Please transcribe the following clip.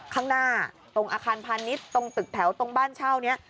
ข้างหน้าตรงอาคารพาณิชย์ตรงตึกแถวตรงบ้านเช่านี้